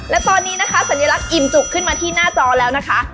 และตอนนี้นะคะสัญลักษณ์อิ่มจุกขึ้นมาที่หน้าจอแล้วนะคะ